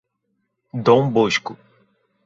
Dom Bosco